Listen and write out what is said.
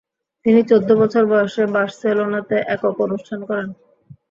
তিনি চৌদ্দ বছর বয়সে বার্সেলোনাতে একক অনুষ্ঠান করেন।